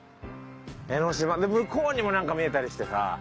江の島で向こうにもなんか見えたりしてさ。